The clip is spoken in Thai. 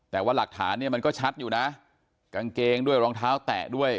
แต่ว่าหลักฐานเนี่ยมันก็ชัดอยู่นะกางเกงด้วยรองเท้าแตะด้วย